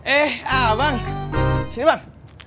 eh ah bang sini bang